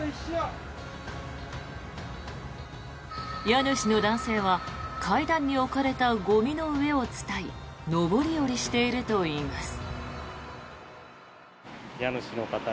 家主の男性は階段に置かれたゴミの上を伝い上り下りしているといいます。